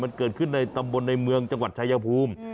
มันเกิดขึ้นในตำบลในเมืองจังหวัดชายภูมิ